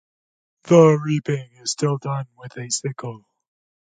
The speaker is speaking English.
The reaping is still done with a sickle.